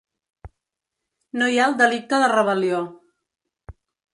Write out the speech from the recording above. No hi ha el delicte de rebel·lió.